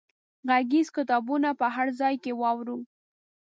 غږیز کتابونه په هر ځای کې واورو.